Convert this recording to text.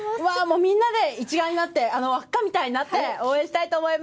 もうみんなで一丸になって輪っかみたいになって応援したいと思います。